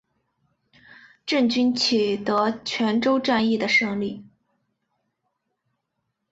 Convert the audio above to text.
郑军取得泉州战役的胜利。